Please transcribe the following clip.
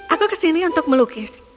aku kesini untuk melukis